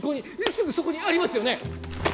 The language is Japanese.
すぐそこにありますよね？